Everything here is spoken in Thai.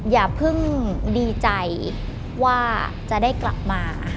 อย่าเพิ่งดีใจว่าจะได้กลับมา